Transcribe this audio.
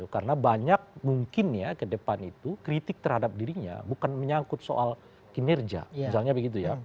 karena banyak mungkin ya ke depan itu kritik terhadap dirinya bukan menyangkut soal kinerja misalnya begitu ya